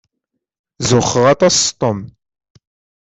Zuxxeɣ aṭas s Tom.